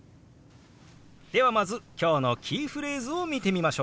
ではまず今日のキーフレーズを見てみましょう。